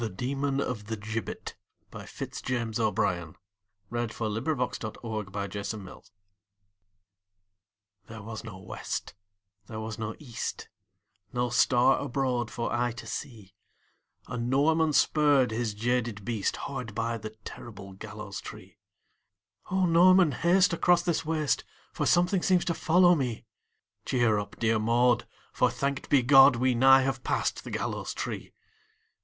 C D . E F . G H . I J . K L . M N . O P . Q R . S T . U V . W X . Y Z The Demon of the Gibbet THERE was no west, there was no east, No star abroad for eye to see; And Norman spurred his jaded beast Hard by the terrible gallows tree. "O Norman, haste across this waste For something seems to follow me!" "Cheer up, dear Maud, for, thanked be God, We nigh have passed the gallows tree!"